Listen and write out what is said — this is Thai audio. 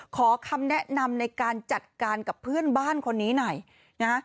ขอคำแนะนำในการจัดการกับเพื่อนบ้านคนนี้หน่อยนะฮะ